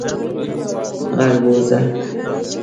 🐜 غلبوزه